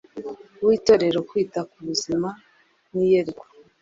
w Itorero kwita k ubuzima n iyerekwa